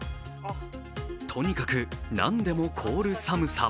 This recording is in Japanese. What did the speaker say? とにかく何でも凍る寒さ。